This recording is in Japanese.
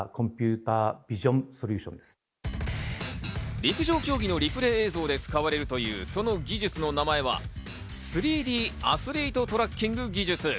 陸上競技のリプレー映像で使われるというその技術の名前は、３Ｄアスリート・トラッキング技術。